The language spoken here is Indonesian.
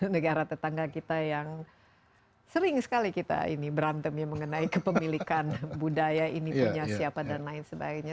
negara tetangga kita yang sering sekali kita ini berantem ya mengenai kepemilikan budaya ini punya siapa dan lain sebagainya